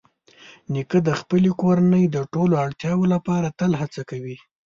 نیکه د خپلې کورنۍ د ټولو اړتیاوو لپاره تل هڅه کوي.